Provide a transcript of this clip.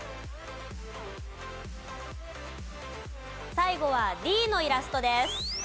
最後はＤのイラストです。